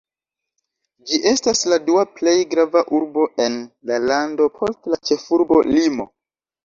Ĝi estas la dua plej grava urbo en la lando, post la ĉefurbo Limo.